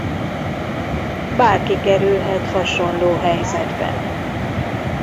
Bárki kerülhet hasonló helyzetbe.